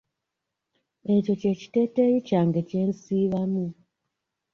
Ekyo kye kiteeteeyi kyange kye nsiibamu.